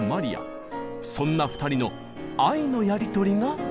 そんな２人の愛のやり取りがこちら！